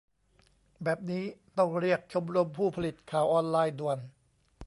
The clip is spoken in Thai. แบบนี้ต้องเรียกชมรมผู้ผลิตข่าวออนไลน์ด่วน !